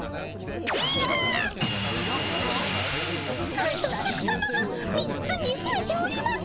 なんとシャクさまが３つにふえております。